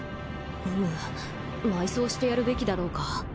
うむ埋葬してやるべきだろうか。